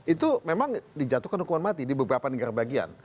itu memang dijatuhkan hukuman mati di beberapa negara bagian